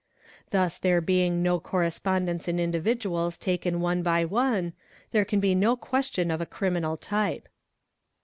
Thus there being no correspondence in individuals taken one by one, there can be no question of a criminal type.